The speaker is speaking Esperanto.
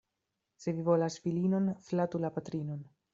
Se vi volas filinon, flatu la patrinon.